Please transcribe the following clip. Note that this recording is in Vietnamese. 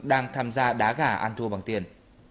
đang tham gia đá gà ăn thua bằng tiền